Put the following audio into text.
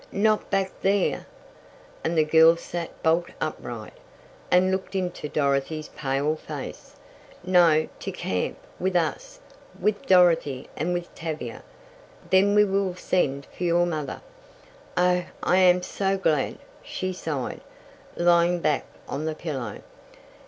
"Not back there!" and the girl sat bolt upright, and looked into Dorothy's pale face. "No, to camp, with us, with Dorothy and with Tavia. Then we will send for your mother." "Oh, I am so glad," she sighed, lying back on the pillow.